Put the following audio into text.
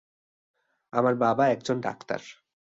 আমার বাবা একজন ডাক্তার।